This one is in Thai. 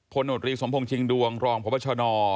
โนตรีสมพงษิงดวงรองพบชน